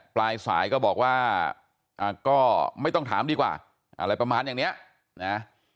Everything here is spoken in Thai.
ปลายสายก็บอกว่าก็ไม่ต้องถามดีกว่าอะไรประมาณอย่างเนี้ยนะ